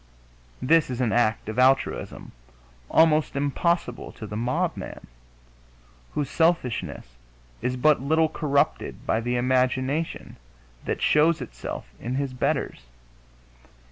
This is an act of altruism almost impossible to the mob man, whose selfishness is but little corrupted by the imagination that shows itself in his betters.